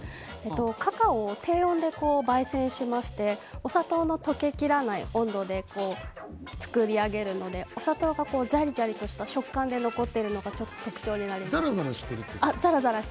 カカオを低温でばい煎しましてお砂糖の溶けきらない温度で作り上げるのでお砂糖がジャリジャリして食感が残っているのが特徴になります。